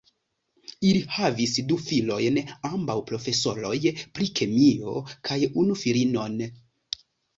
Ili havis du filojn, ambaŭ profesoroj pri kemio, kaj unu filinon.